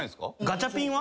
ガチャピン？